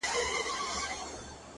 ښكل مي كړلې-